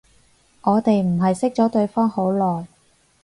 我哋唔係識咗對方好耐